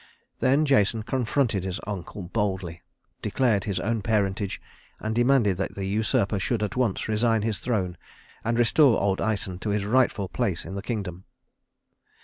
Then Jason confronted his uncle boldly, declared his own parentage, and demanded that the usurper should at once resign his throne and restore old Æson to his rightful place in the kingdom.